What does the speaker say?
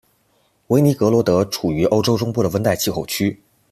韦尼格罗德处于欧洲中部的温带气候区。